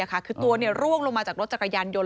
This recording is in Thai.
ขี่รถจักรยานยนต์ลงมาจากรถจักรยานยนต์